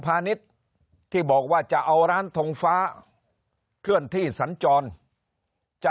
ณ์ที่บอกว่าจะเอาร้านทงฟ้าเคลื่อนที่สัญจรจะ